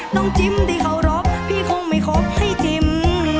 จิ้มที่เคารพพี่คงไม่ครบให้จิ้ม